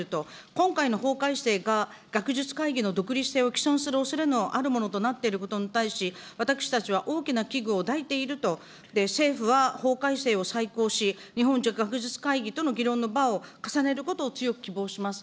今回の法改正が学術会議の独立性を既存するおそれのあるものとなっていることに対し、私たちは大きな危惧を抱いていると、政府は法改正を再考し、日本学術会議との議論の場を重ねることを強く希望します。